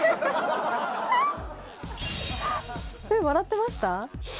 笑ってました？